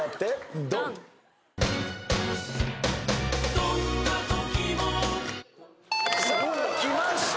「どんなときも」きました